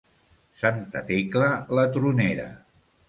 Santa Tecla, la tronera.